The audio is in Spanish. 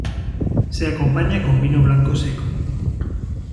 Se acompaña con vino blanco seco.